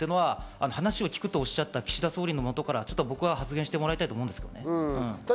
話を聞くとおっしゃった岸田総理のほうから発言してもらいたいと思います。